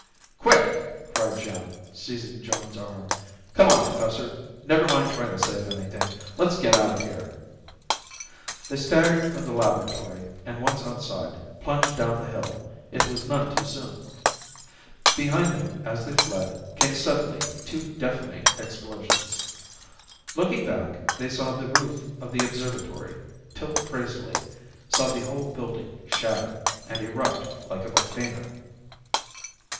"Quick!" cried Jim, seizing Joan's arm. "Come on, Professor! Never mind trying to save anything. Let's get out of here!" They staggered from the laboratory and once outside, plunged down the hill. It was none too soon. Behind them, as they fled, came suddenly two deafening explosions. Looking back, they saw the roof of the observatory tilt crazily; saw the whole building shatter, and erupt like a volcano.